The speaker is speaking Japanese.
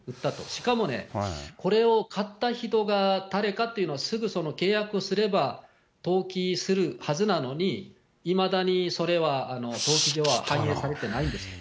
しかも、これを買った人が誰かというのはすぐ契約すれば、登記するはずなのに、いまだにそれは登記上は反映されてないんですね。